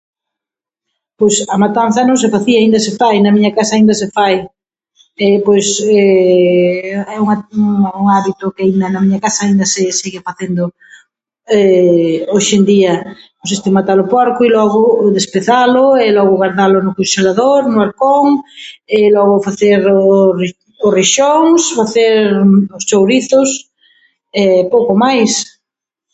Pois a matanza non se facía, aínda se fai, na miña casa aínda se fai. Pois é un hab- un hábito que aínda na miña casa aínda se sigue facendo hoxe en día, pois matar o porco e logo despezalo e logo gardalo no conxelador, no arcón, e logo facer os os reixóns, facer os chourizos e pouco máis.